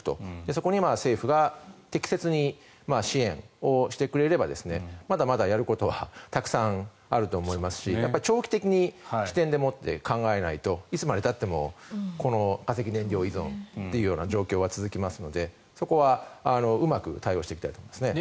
そこに政府が適切に支援をしてくれればまだまだやることはたくさんあると思いますし長期的な視点でもって考えないといつまでたってもこの化石燃料依存というような状況は続きますのでそこはうまく対応していきたいと思いますね。